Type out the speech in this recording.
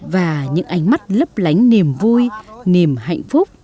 và những ánh mắt lấp lánh niềm vui niềm hạnh phúc